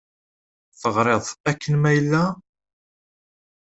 Teɣṛiḍ-t akken ma yella?